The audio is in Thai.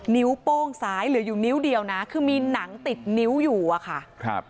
นิ้วโป้งซ้ายเหลืออยู่นิ้วเดียวนะคือมีหนังติดนิ้วอยู่อะค่ะครับ